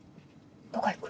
どこ行く？